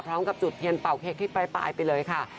พร้อมกับจุดเทียนเป่าเค้กที่ปลายไปเลยค่ะ